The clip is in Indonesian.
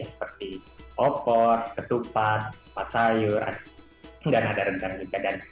seperti opor ketupat sayur dan ada rendang juga